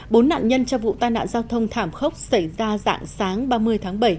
bốn nạn nhân trong vụ tai nạn giao thông thảm khốc xảy ra dạng sáng ba mươi tháng bảy